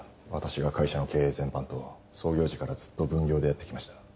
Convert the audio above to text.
私が会社の経営全般と創業時からずっと分業でやってきました。